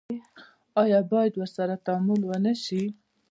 آیا باید ورسره تعامل ونشي؟